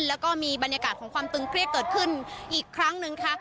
แล้วก็มีบรรยากาศของความตึงเครียดเกิดขึ้นอีกครั้งหนึ่งค่ะ